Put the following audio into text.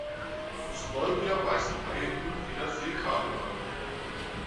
Aus Neugier beißen Haie hin und wieder Seekabel an.